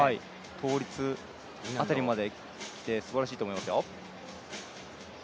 倒立辺りまできてすばらしいと思います。